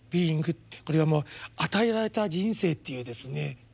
ｂｅｉｎｇこれはもう「与えられた人生」っていうですね